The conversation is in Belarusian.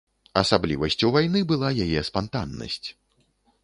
Асаблівасцю вайны была яе спантаннасць.